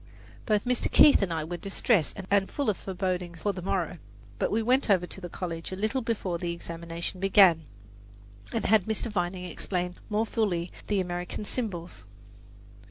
Both Mr. Keith and I were distressed and full of forebodings for the morrow; but we went over to the college a little before the examination began, and had Mr. Vining explain more fully the American symbols.